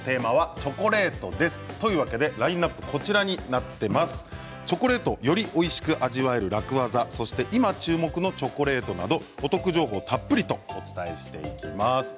チョコレートをよりおいしく味わえる楽ワザそして今注目のチョコレートなどお得情報をたっぷりとお伝えしていきます。